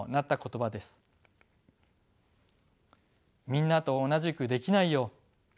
「みんなとおなじくできないよ」。